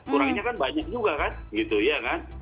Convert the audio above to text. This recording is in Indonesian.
kurangnya kan banyak juga kan gitu ya kan